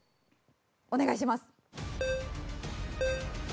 お願いします。